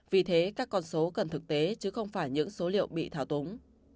vì thế các con số cần thực tế chứ không phải những số liệu bị thảo túng